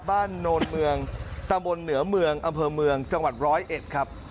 โนนเมืองตำบลเหนือเมืองอำเภอเมืองจังหวัดร้อยเอ็ดครับ